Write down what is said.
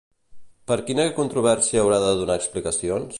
Per quina controvèrsia haurà de donar explicacions?